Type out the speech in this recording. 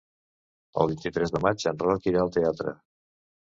El vint-i-tres de maig en Roc irà al teatre.